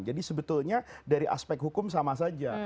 jadi sebetulnya dari aspek hukum sama saja